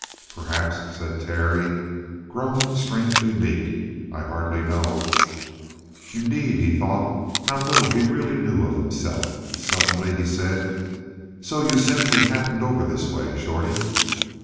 "Perhaps," said Terry, grown strangely meek. "I hardly know." Indeed, he thought, how little he really knew of himself. Suddenly he said: "So you simply happened over this way, Shorty?"